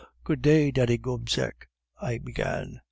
"'Good day, Daddy Gobseck,' I began.